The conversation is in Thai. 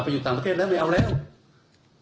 อยู่ต่างประเทศแล้วไม่เอาแล้ว